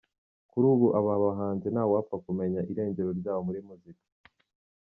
Kuri ubu aba bahanzi ntawapfa kumenya irengero ryabo muri muzika .